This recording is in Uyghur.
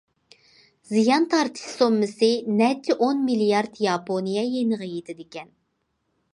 زىيان تارتىش سوممىسى نەچچە ئون مىليارد ياپونىيە يېنىغا يېتىدىكەن.